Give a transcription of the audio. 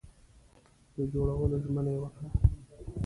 د جوړولو ژمنه یې وکړه.